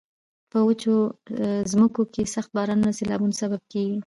په وچو ځمکو کې سخت بارانونه د سیلابونو سبب کیږي.